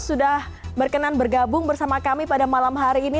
sudah berkenan bergabung bersama kami pada malam hari ini